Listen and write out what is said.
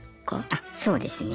あそうですね。